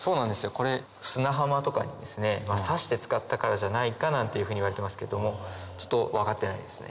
これ砂浜とかに刺して使ったからじゃないかなんていうふうにいわれてますけどもちょっと分かってないですね。